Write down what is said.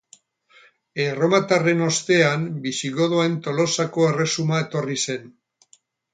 Erromatarren ostean bisigodoen Tolosako erresuma etorri zen.